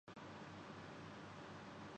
خواتین برقعہ پہنتیں یا نہ پہنتیں۔